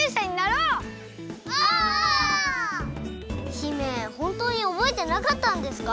姫ほんとうにおぼえてなかったんですか？